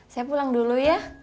saya pulang dulu ya